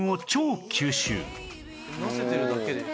「なでてるだけで」